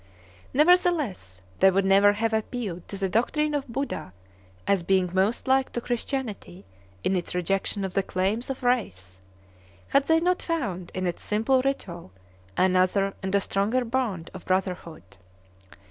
Nevertheless, they would never have appealed to the doctrine of Buddha as being most like to Christianity in its rejection of the claims of race, had they not found in its simple ritual another and a stronger bond of brotherhood.